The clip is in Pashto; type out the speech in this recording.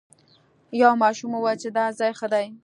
یو ماشوم وویل چې دا ځای ښه دی.